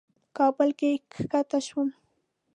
کابل کې کښته شوم.